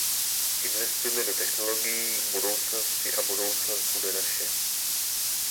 Investujme do technologií budoucnosti a budoucnost bude naše.